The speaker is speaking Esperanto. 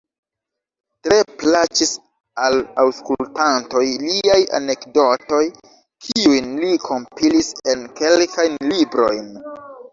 Tre plaĉis al aŭskultantoj liaj anekdotoj, kiujn li kompilis en kelkajn librojn.